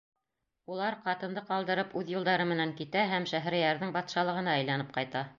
Улар, ҡатынды ҡалдырып, үҙ юлдары менән китә һәм Шәһрейәрҙең батшалығына әйләнеп ҡайта.